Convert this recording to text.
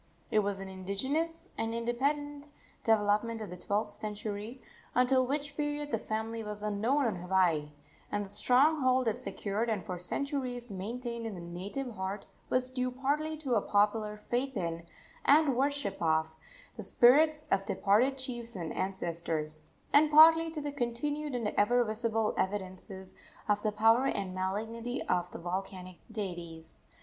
It was an indigenous and independent development of the twelfth century, until which period the family was unknown on Hawaii; and the strong hold it secured and for centuries maintained in the native heart was due partly to a popular faith in, and worship of, the spirits of departed chiefs and ancestors, and partly to the continued and ever visible evidences of the power and malignity of the volcanic deities.